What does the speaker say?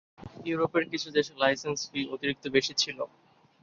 ইউরোপের কিছু দেশে লাইসেন্স ফি অতিরিক্ত বেশি ছিল।